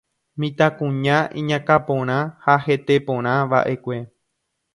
Mitãkuña iñakãporã ha heteporãva'ekue.